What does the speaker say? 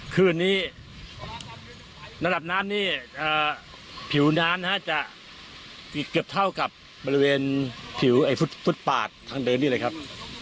คืนนี้ระดับน้ำนี่ผิวน้ำจะเกือบเท่ากับบริเวณผิวฟุตปาดทางเดินนี่เลยครับ